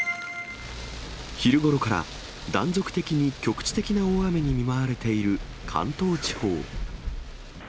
昼ごろから、断続的に局地的な大雨に見舞われている関東地方。